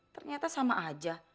ternyata sama aja